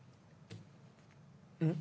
うん？